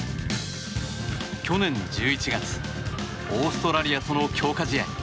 去年１１月オーストラリアとの強化試合。